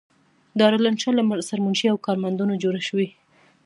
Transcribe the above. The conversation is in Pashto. دارالانشأ له سرمنشي او کارمندانو جوړه شوې.